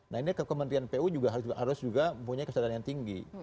nah ini kementerian pu juga harus juga punya kesadaran yang tinggi